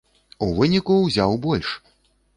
У выніку ўзяў больш!